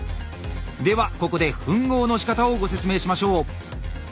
ではここで吻合のしかたをご説明しましょう。